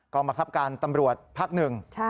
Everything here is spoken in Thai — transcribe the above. ก็มาคับการตำรวจพักหนึ่ง